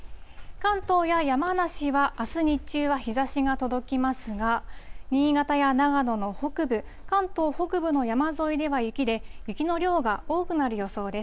関東や山梨はあす日中は日ざしが届きますが、新潟や長野の北部、関東北部の山沿いでは雪で、雪の量が多くなる予想です。